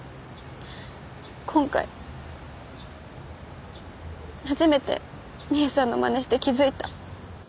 今回初めて美絵さんのまねして気づいた。